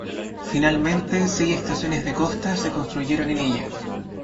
Finalmente seis estaciones de costa se construyeron en ella.